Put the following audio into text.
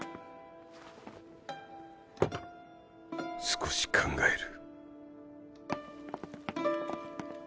少し考える。